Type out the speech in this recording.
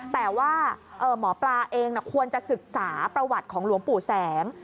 แต่ว่าหมอปลาเองควรจะศึกษาประวัติของหลวงปู่แสง